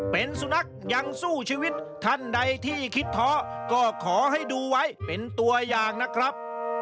เป็นสุนัขยังสู้ชีวิตท่านใดที่คิดท้อก็ขอให้ดูไว้เป็นตัวอย่างนะครับ